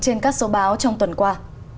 trên các số báo trong tuần qua